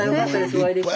お会いできて。